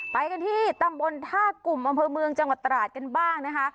ไปกันที่ตำบลท่ากลุ่มอำเภอเมืองจังหวัดตราดกันบ้างนะคะ